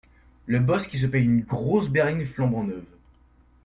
Le boss qui se paie une grosse berline flambant neuve